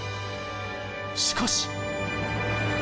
しかし。